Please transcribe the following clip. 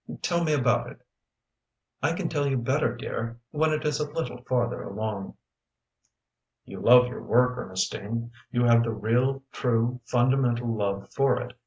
"Tell me about it." "I can tell you better, dear, when it is a little farther along." "You love your work, Ernestine. You have the real, true, fundamental love for it.